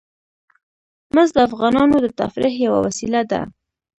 مس د افغانانو د تفریح یوه وسیله ده.